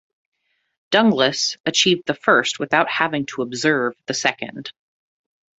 Dunglass achieved the first without having to observe the second.